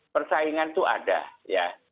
persaingan itu ada ya